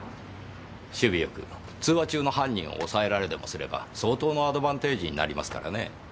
首尾よく通話中の犯人を押さえられでもすれば相当のアドバンテージになりますからねぇ。